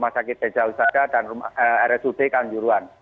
sakit deja usada dan rsud kanjuruan